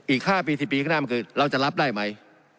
อีก๕ปี๑๐ปีนั้นมาก็คือเราจะรับได้ไหม